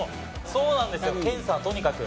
そうなんですよケンさんとにかく。